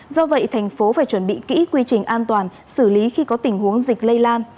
do vậy thành phố phải chuẩn bị kỹ quy trình an toàn xử lý khi có tình huống dịch lây lan